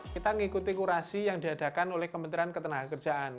kita mengikuti kurasi yang diadakan oleh kementerian ketenagakerjaan